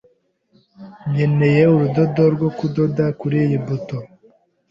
Nkeneye urudodo rwo kudoda kuriyi buto.